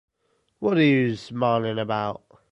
What are you smiling about?